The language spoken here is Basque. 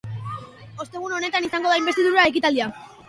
Ostegun honetan izango da inbestidura ekitaldia.